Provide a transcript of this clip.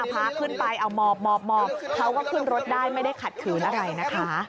พาขึ้นไปเอาหมอบหมอบหมอบเขาก็ขึ้นรถได้ไม่ได้ขัดขืนอะไรนะคะ